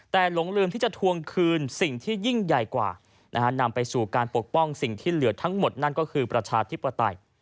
แต่หลงลืมที่จะทวงคืนสิ่งที่ยิ่งใหญ่กว่านำไปสู่การปกป้องสิ่งที่เหลือทั้งหมดนั่นก็คือประชาธิปไตย